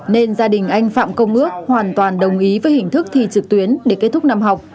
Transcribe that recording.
nên gia đình anh phạm công ước hoàn toàn đồng ý với hình thức thi trực tuyến để kết thúc năm học